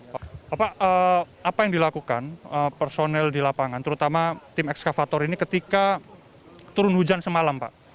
bapak apa yang dilakukan personel di lapangan terutama tim ekskavator ini ketika turun hujan semalam pak